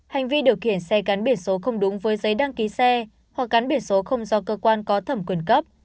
hành vi điều khiển xe gắn biển số không đúng với giấy đăng ký xe hoặc gắn biển số không do cơ quan có thẩm quyền cấp